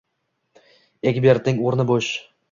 Egbertning o`rni bo`sh